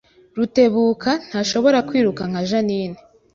Rutebuka ntashobora kwiruka nka Jeaninne